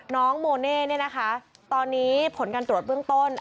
น้องโมเน่เนี่ยนะคะตอนนี้ผลการตรวจเบื้องต้น